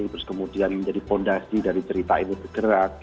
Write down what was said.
terus kemudian menjadi fondasi dari cerita ini bergerak